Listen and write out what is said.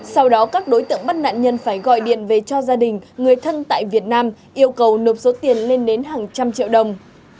sau đó các đối tượng bắt nạn nhân phải gọi điện về cho gia đình người thân tại việt nam yêu cầu nộp số tiền lên đến hàng trăm triệu đồng